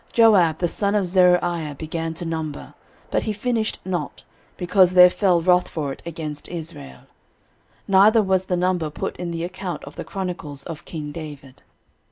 13:027:024 Joab the son of Zeruiah began to number, but he finished not, because there fell wrath for it against Israel; neither was the number put in the account of the chronicles of king David.